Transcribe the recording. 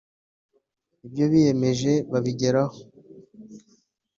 ibyo biyemeje babigeraho